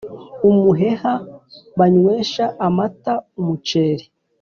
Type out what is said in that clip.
umuheha banywesha amata umuceri